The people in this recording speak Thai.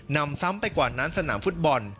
นำซ้ำไปกว่านั้นสนามฟุตบอล